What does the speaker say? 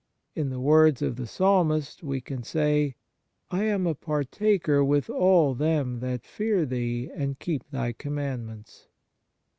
In the words of the Psalmist we can say: " I am a partaker with all them that fear Thee and keep Thy commandments."